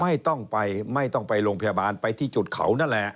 ไม่ต้องไปไม่ต้องไปโรงพยาบาลไปที่จุดเขานั่นแหละ